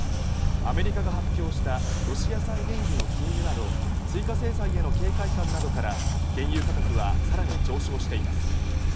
アメリカが発表したロシア産原油の禁輸など追加制裁への警戒感などから原油価格は更に上昇しています。